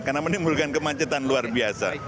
karena menimbulkan kemancetan luar biasa